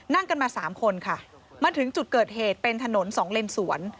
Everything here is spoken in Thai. นั่งกันมา๓คนค่ะมาถึงจุดเกิดเหตุเป็นถนนสองเลนสวน